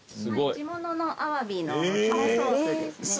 地物のアワビの肝ソースですね。